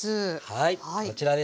はい！